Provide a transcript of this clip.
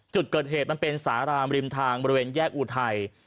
จุดเกิดเหตุมันเป็นสารามริมทางบริเวณแยกอุทัย